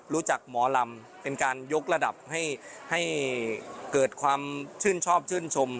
รู้จักหมอลำเป็นการยกระดับให้เกิดความชื่นชอบชื่นชม